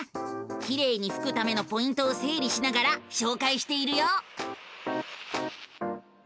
きれいにふくためのポイントをせいりしながらしょうかいしているよ！